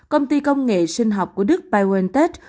công ty công nghệ sinh học của đức biontech